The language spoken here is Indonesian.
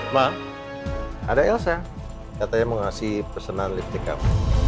ma ada ilsa katanya mau ngasih pesanan liftik kamu